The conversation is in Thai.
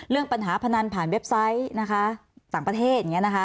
เรื่องปัญหาพนันผ่านเว็บไซต์นะคะต่างประเทศ